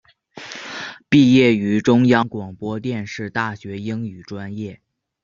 毕业于中央广播电视大学英语专业。